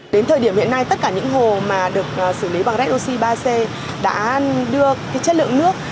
đến thời điểm hiện nay tất cả những hồ mà được xử lý bằng red oxy ba c đã đưa chất lượng nước